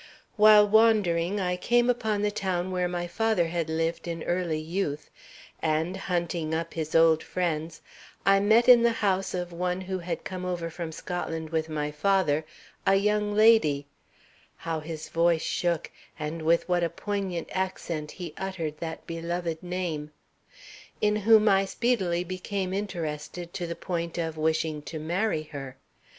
While wandering, I came upon the town where my father had lived in early youth, and, hunting up his old friends, I met in the house of one who had come over from Scotland with my father a young lady" (how his voice shook, and with what a poignant accent he uttered that beloved name) "in whom I speedily became interested to the point of wishing to marry her.